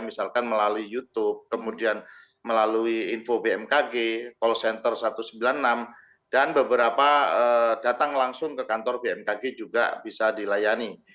misalkan melalui youtube kemudian melalui info bmkg call center satu ratus sembilan puluh enam dan beberapa datang langsung ke kantor bmkg juga bisa dilayani